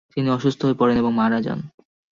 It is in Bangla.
তিনি অসুস্থ হয়ে পড়েন এবং মারা যান।